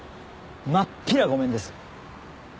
真っ平ごめんです。